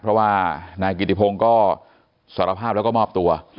เพราะว่านายกิติพงศ์ก็สารภาพแล้วก็มอบตัว